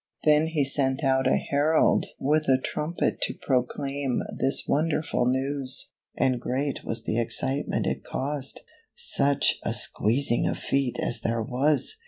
Then he sent out a herald with a trumpet to proclaim this wonderful news, and great was the excitement it caused. Such a squeezing of feet as there was